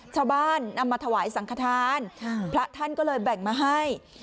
ชาวบ้านนำมาถวายสังขทานพระท่านก็เลยแบ่งมาให้